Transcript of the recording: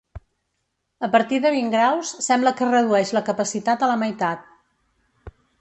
A partir de vint graus, sembla que redueix la capacitat a la meitat.